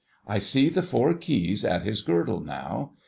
I see the four keys at his girdle now.